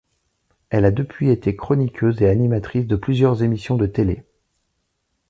Elle a depuis été chroniqueuse et animatrice de plusieurs émissions de télé.